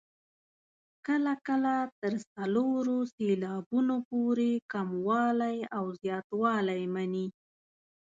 کله کله تر څلورو سېلابونو پورې کموالی او زیاتوالی مني.